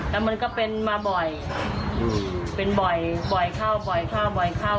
แล้วมันก็เป็นมาบ่อยเป็นบ่อยบ่อยเข้าบ่อยเข้าบ่อยเข้า